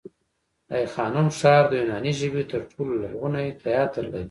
د آی خانم ښار د یوناني ژبې تر ټولو لرغونی تیاتر لري